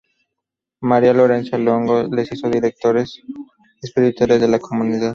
María Lorenza Longo les hizo directores espirituales de la comunidad.